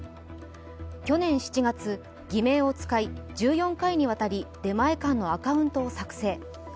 去年７月、偽名を使い、１４回にわたり出前館のアカウントを作成。